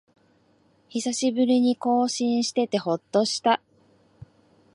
久しぶりに更新しててほっとした